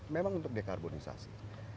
memang untuk dekarbonisasi